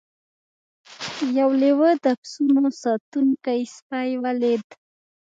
یو لیوه د پسونو ساتونکی سپی ولید.